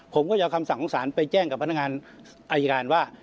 ผมก็จะเอาคำสั่งของศาลไปแจ้งกับพนักงานอายการว่า